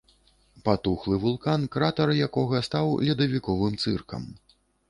Патухлы вулкан, кратар якога стаў ледавіковым цыркам.